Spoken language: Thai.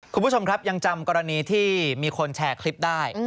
คุณผู้ชมครับยังจำกรณีที่มีคนแชร์คลิปได้